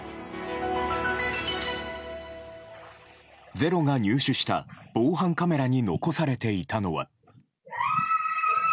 「ｚｅｒｏ」が入手した防犯カメラに残されていたのは。